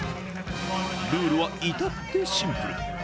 ルールは至ってシンプル。